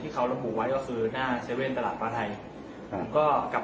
แล้วก็พอเล่ากับเขาก็คอยจับอย่างนี้ครับ